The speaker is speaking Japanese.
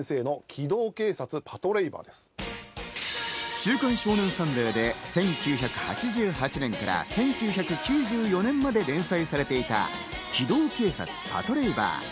『週刊少年サンデー』で１９８８年から１９９４年まで連載されていた『機動警察パトレイバー』。